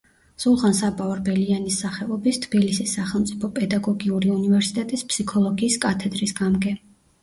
სულხან-საბა ორბელიანის სახელობის თბილისის სახელმწიფო პედაგოგიური უნივერსიტეტის ფსიქოლოგიის კათედრის გამგე.